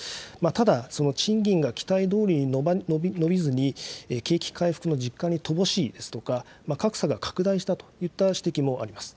ただ、その賃金が期待どおりに伸びずに、景気回復の実感に乏しいですとか、格差が拡大したといった指摘もあります。